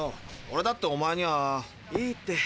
オレだっておまえには。いいって。